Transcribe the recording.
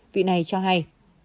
vị này cho hay